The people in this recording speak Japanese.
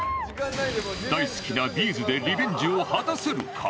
大好きな Ｂ’ｚ でリベンジを果たせるか？